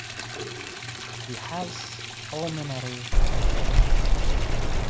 He has pulmonary fibrosis.